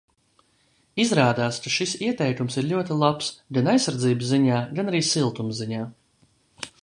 Izrādās, ka šis ieteikums ir ļoti labs, gan aizsardzības ziņā, gan arī siltuma ziņā.